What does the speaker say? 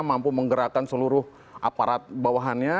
mampu menggerakkan seluruh aparat bawahannya